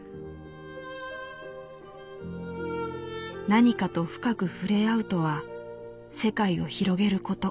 「何かと深く触れ合うとは世界を広げること。